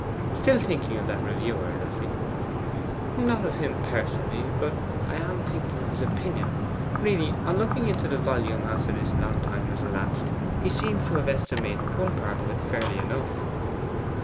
'Still thinking of that reviewer, Elfie?' 'Not of him personally; but I am thinking of his opinion. Really, on looking into the volume after this long time has elapsed, he seems to have estimated one part of it fairly enough.